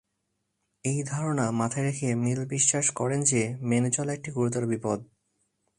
এই ধারণা মাথায় রেখে মিল বিশ্বাস করেন যে, মেনে চলা একটি গুরুতর বিপদ।